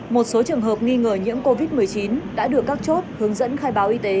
một số trường hợp nghi ngờ nhiễm covid một mươi chín đã được các chốt hướng dẫn khai báo y tế